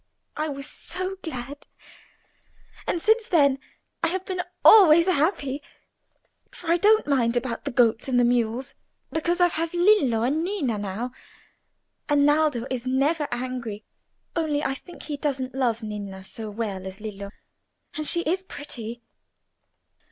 I was so glad, and since then I have been always happy, for I don't mind about the goats and mules, because I have Lillo and Ninna now; and Naldo is never angry, only I think he doesn't love Ninna so well as Lillo, and she is pretty."